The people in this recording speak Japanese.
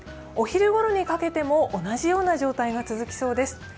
お昼ごろにかけても同じような状態が続きそうです。